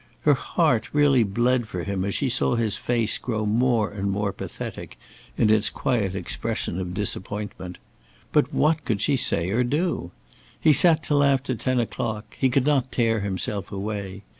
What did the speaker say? Her heart really bled for him as she saw his face grow more and more pathetic in its quiet expression of disappointment. But what could she say or do? He sat till after ten o'clock; he could not tear himself away.